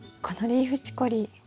このリーフチコリー